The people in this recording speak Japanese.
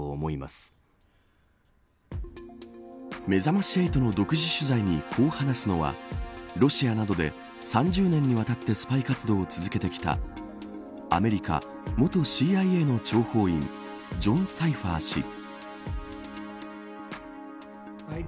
めざまし８の独自取材に、こう話すのはロシアなどで３０年にわたってスパイ活動を続けてきたアメリカ元ＣＩＡの諜報員ジョン・サイファー氏。